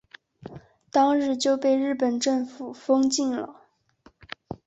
当日就被日本政府封禁了。